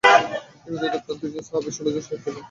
নিবেদিত প্রাণ ত্রিশজন সাহাবীর ষোলজন শহীদ হয়ে যান।